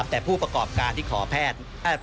แต่ผู้ประกอบการที่ขอแพทย์